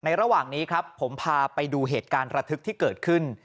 ระหว่างนี้ครับผมพาไปดูเหตุการณ์ระทึกที่เกิดขึ้น